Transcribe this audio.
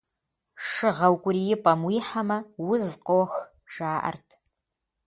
Шы гъэукӏуриипӏэм уихьэмэ, уз къох, жаӏэрт.